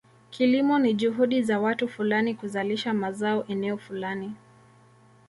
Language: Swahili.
Kilimo ni juhudi za watu fulani kuzalisha mazao eneo fulani.